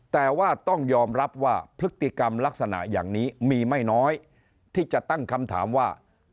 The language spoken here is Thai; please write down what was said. แต่ว่าต้องยอมรับว่าพฤติกรรมลักษณะอย่างนี้มีไม่น้อยที่จะตั้งคำถามว่า